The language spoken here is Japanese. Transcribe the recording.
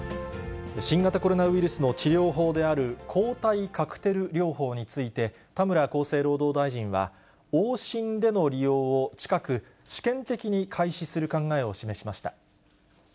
新型コロナウイルスの治療法である、抗体カクテル療法について、田村厚生労働大臣は、往診での利用を近く、試験的に開始する考えを示しました。